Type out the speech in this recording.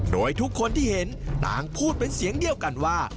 โดยทุกคนที่เห็นต่างพูดเป็นเสียงเดียวกันว่า